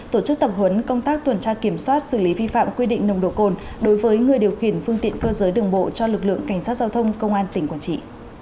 tổ chức tập huấn công tác tuần tra kiểm soát xử lý vi phạm quy định nồng độ cồn đối với người điều khiển phương tiện cơ giới đường bộ cho lực lượng cảnh sát giao thông công an tỉnh quảng trị